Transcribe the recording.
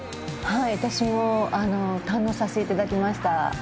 はい私も堪能させていただきました。